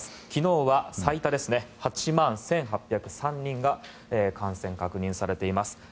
昨日は最多の８万１８０３人が感染確認されています。